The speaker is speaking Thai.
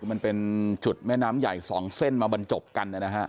คือมันเป็นจุดแม่น้ำใหญ่๒เส้นมาบรรจบกันนะฮะ